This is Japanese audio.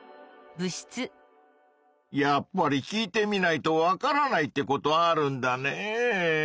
やっぱり聞いてみないとわからないってことあるんだねぇ。